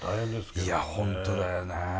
いや本当だよね。